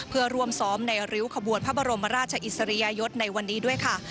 เพื่อร่วมซ้อมในริ้วขบวนพระบรมราชอิสริยยศในวันนี้ด้วยค่ะ